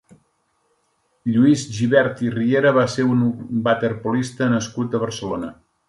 Lluís Gibert i Riera va ser un waterpolista nascut a Barcelona.